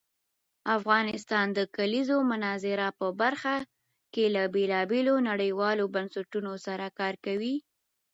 افغانستان د کلیزو منظره په برخه کې له بېلابېلو نړیوالو بنسټونو سره کار کوي.